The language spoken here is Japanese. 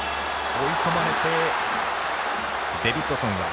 追い込まれてデビッドソンは